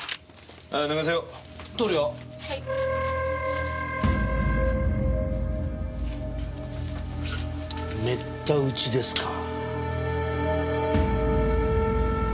めった打ちですか。